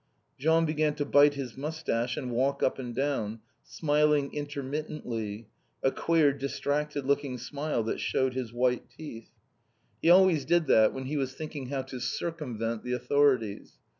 Jean began to bite his moustache and walk up and down, smiling intermittently, a queer distracted looking smile that showed his white teeth. He always did that when he was thinking how to circumvent the authorities.